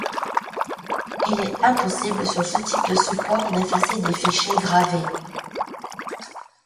Il est impossible sur ce type de support d'effacer des fichiers gravés.